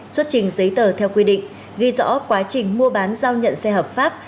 xuất trình giấy tờ theo quy định ghi rõ quá trình mua bán giao nhận xe hợp pháp